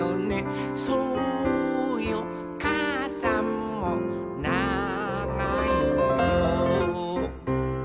「そうよかあさんもながいのよ」